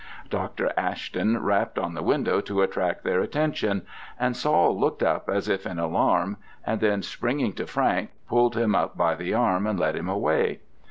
Dr. Ashton rapped on the window to attract their attention, and Saul looked up as if in alarm, and then springing to Frank, pulled him up by the arm and led him away.